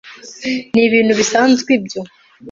ni ibintu bisanzwe ibyo